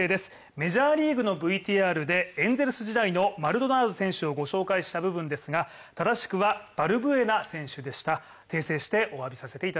メジャーリーグのＶＴＲで、エンゼルス時代のマルドナード選手を御紹介した映像ですが正しくはバルブエナ選手でした。